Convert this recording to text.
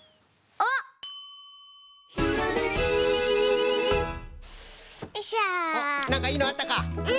おっなんかいいのあったか？